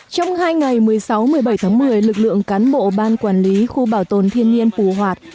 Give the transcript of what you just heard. trong hai ngày một mươi sáu một mươi bảy tháng một mươi lực lượng cán bộ ban quản lý khu bảo tồn thiên nhiên phù hoạt